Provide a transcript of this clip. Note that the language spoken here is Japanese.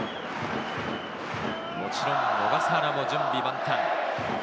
もちろん小笠原も準備万端。